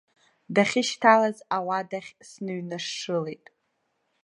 Дахьышьҭалаз ауадахь сныҩнашылеит.